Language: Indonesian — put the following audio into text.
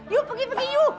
you pergi pergi you